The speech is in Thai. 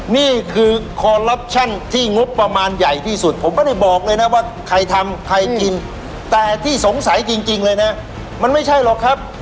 นี่คือคอลลับชั่นที่งบประมาณใหญ่ที่สุดผมไม่ได้บอกเลยนะว่าใครทำใครกินแต่ที่สงสัยจริงเลยนะมันไม่ใช่หรอกครับ